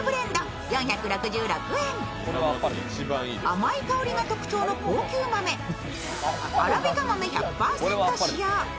甘い香りが特徴の高級豆アラビカ豆１００％使用。